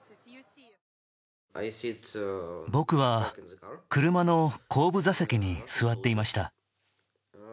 僕は車の後部座席に座っていました。